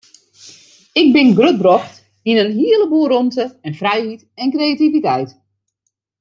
Ik bin grutbrocht yn in hele boel rûmte en frijheid en kreativiteit.